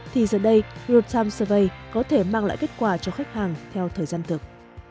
thì giờ đây real time servay có thể mang lại kết quả cho khách hàng theo thời gian thực